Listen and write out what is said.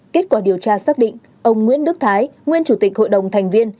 kết quả điều tra xác định ông nguyễn đức thái nguyên chủ tịch hội đồng thành viên